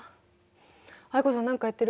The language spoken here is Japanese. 藍子さん何かやってる？